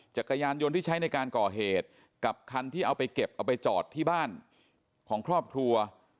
จักรยานยนต์ที่ใช้ในการก่อเหตุกับคันที่เอาไปเก็บเอาไปจอดที่บ้านของครอบครัว